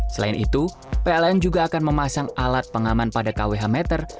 selain itu pln juga akan memasang alat pengaman pada kwh meter